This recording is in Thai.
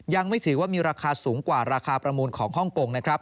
ยังไม่ถือว่ามีราคาสูงกว่าราคาประมูลของฮ่องกงนะครับ